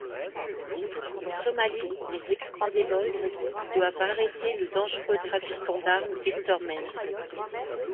En Somalie, les Expendables doivent arrêter le dangereux trafiquant d'armes Victor Menz.